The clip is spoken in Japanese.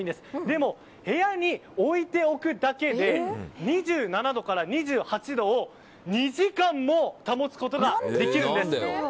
でも部屋に置いておくだけで２７度から２８度を２時間も保つことができるんです。